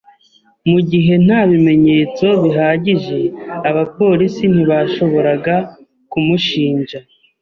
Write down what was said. Mu gihe nta bimenyetso bihagije, abapolisi ntibashoboraga kumushinja.